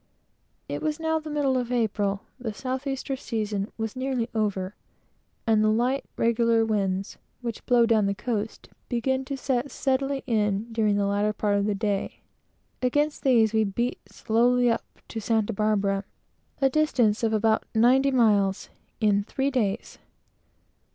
It was now the middle of April, and the south easter season was nearly over; and the light, regular trade winds, which blow down the coast, began to set steadily in, during the latter part of each day. Against these, we beat slowly up to Santa Barbara a distance of about ninety miles in three days.